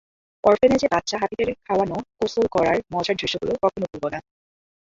অরফানেজে বাচ্চা হাতিদের খাওয়ানো, গোসল করার মজার দৃশ্যগুলো কখনো ভুলব না।